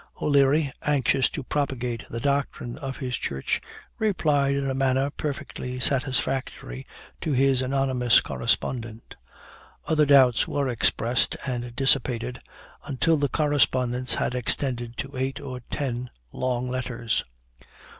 O'Leary, anxious to propagate the doctrine of his Church, replied in a manner perfectly satisfactory to his anonymous correspondent. Other doubts were expressed, and dissipated, until the correspondence had extended to eight or ten long letters.